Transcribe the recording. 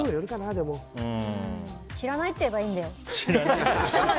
知らないって言えばいいんだよ。